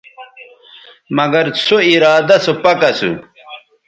مگر سو ارادہ سو پَک اسو